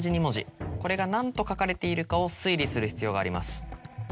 これが何と書かれているかを推理する必要があります。